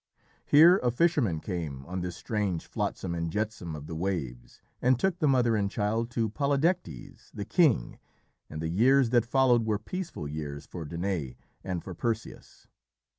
Here a fisherman came on this strange flotsam and jetsam of the waves and took the mother and child to Polydectes, the king, and the years that followed were peaceful years for Danaë and for Perseus.